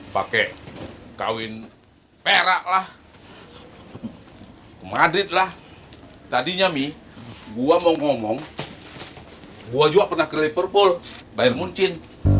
pakai kawin peraklah ke madrid lah tadinya mi gua mau ngomong gua juga pernah ke liverpool bayar muncin